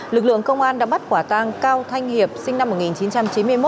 lực lượng công an đã bắt quả tang cao thanh hiệp sinh năm một nghìn chín trăm chín mươi một